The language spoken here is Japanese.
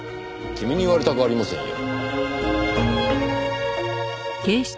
君に言われたくありませんよ。